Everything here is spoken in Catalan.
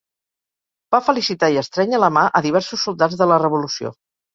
Va felicitar i estrènyer la mà a diversos soldats de la Revolució.